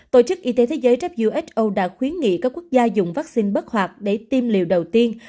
tổ chức y tế thế giới who đã khuyến nghị các quốc gia dùng vaccine bất hoạt để tiêm liều đầu tiên